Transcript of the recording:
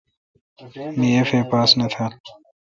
می اف اے پاس نہ تھال۔